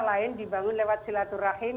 lain dibangun lewat silaturahim